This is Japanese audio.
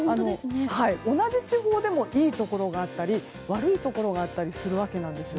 同じ地方でもいいところがあったり悪いところがあったりするわけなんです。